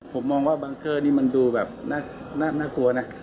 ผมมองว่าบังเกอร์นี่มันดูแบบน่ากลัวนะ